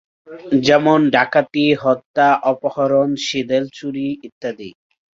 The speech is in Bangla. যেমন ডাকাতি, হত্যা, অপহরণ, সিঁদেল চুরি ইত্যাদি।